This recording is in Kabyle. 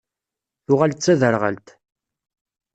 Tuɣal d taderɣalt.